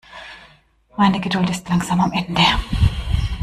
Meine Geduld ist langsam am Ende.